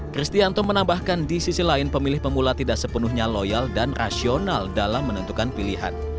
kristianto menambahkan di sisi lain pemilih pemula tidak sepenuhnya loyal dan rasional dalam menentukan pilihan